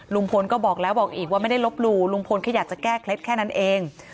ลุงพลก็บอกแล้วบอกอีกว่าไม่ได้ลบหลู่ลุงพลแค่อยากจะแก้เคล็ดแค่นั้นเอง